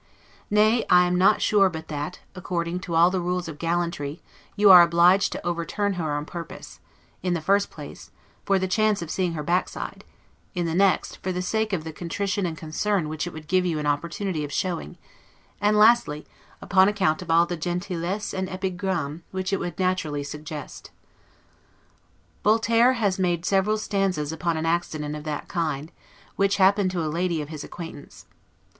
Nay, I am not sure but that, according to all the rules of gallantry, you are obliged to overturn her on purpose; in the first place, for the chance of seeing her backside; in the next, for the sake of the contrition and concern which it would give you an opportunity of showing; and, lastly, upon account of all the 'gentillesses et epigrammes', which it would naturally suggest. Voiture has made several stanzas upon an accident of that kind, which happened to a lady of his acquaintance.